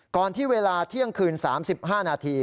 ก่อนที่เวลาเที่ยงคืน๓๕นาที